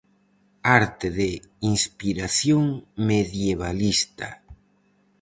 Arte de inspiración medievalista.